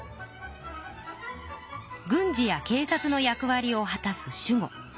軍事やけい察の役わりを果たす守護。